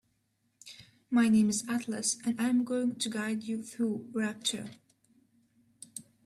My name is Atlas and I'm going to guide you through Rapture.